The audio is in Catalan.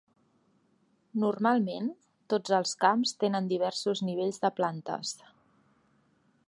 Normalment, tots els camps tenen diversos nivells de plantes.